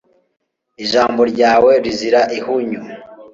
ijambo ryawe rizira ihinyu